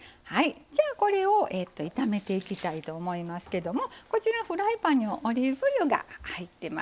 じゃあこれを炒めていきたいと思いますけどもこちらフライパンにオリーブ油が入ってますね。